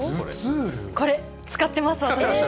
これ、使ってます、私。